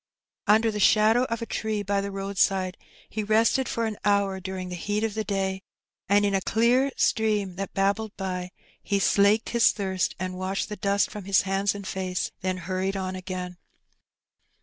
Under the shadow of a tree by the roadside he rested for an hour during the heat of the day, and in a clear stream that babbled by, he slaked his thirst and washed the dust from his hands and face, then hurried on again.